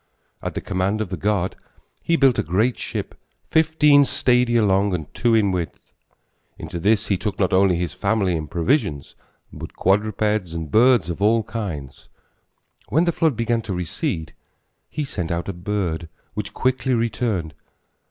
At the command of the god he built a great ship fifteen stadia long and two in width. Into this he took not only his family and provisions, but quadrupeds and birds of all kinds. When the flood began to recede, he sent out a bird, which quickly returned.